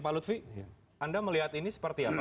pak lutfi anda melihat ini seperti apa